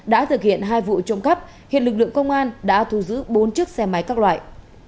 đã thực hiện hai vụ trộm cắp hiện lực lượng công an đã thu giữ bốn chiếc xe máy các loại